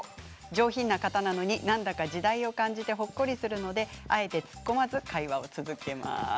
上品な方なのになんか時代を感じてほっこりするのであえて突っ込まず会話を作っています。